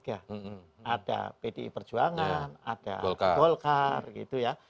ada pdi perjuangan ada golkar gitu ya